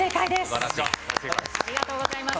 ありがとうございます。